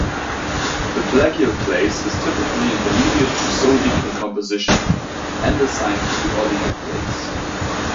The plagioclase is typically intermediate to sodic in composition, andesine to oligoclase.